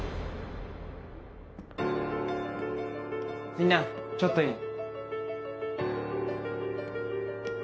みんなちょっといい？